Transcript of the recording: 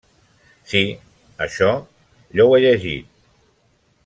Sí… això… jo ho he llegit…